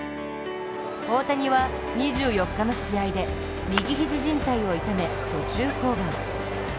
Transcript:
大谷は２４日の試合で右肘じん帯を痛め、途中降板。